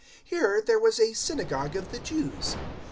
Here there was a synagogue of the Jews.